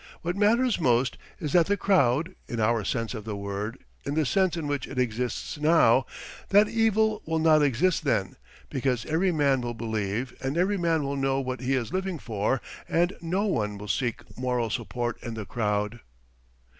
What matters most is that the crowd, in our sense of the word, in the sense in which it exists now that evil will not exist then, because every man will believe and every man will know what he is living for and no one will seek moral support in the crowd.